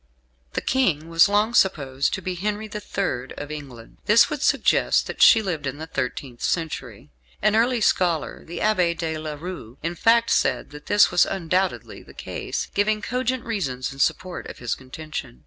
The King was long supposed to be Henry the Third of England, and this would suggest that she lived in the thirteenth century. An early scholar, the Abbé de La Rue, in fact, said that this was "undoubtedly" the case, giving cogent reasons in support of his contention.